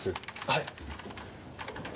はい。